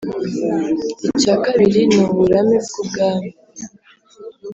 icya kabiri ni uburame bw'ubwami